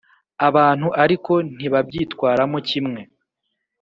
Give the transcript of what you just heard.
abantu ariko ntibabyitwaramo kimwe